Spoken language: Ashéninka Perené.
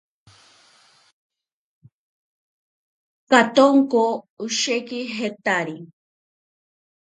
Katonko osheki jetari.